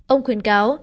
ông khuyên cáo